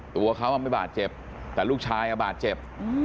ตัวเขาไม่บาดเจ็บแต่ลูกชายบาดเจ็บ